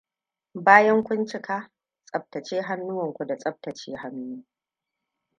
Bayan kun cika, tsaftace hannuwanku da tsabtace hannu.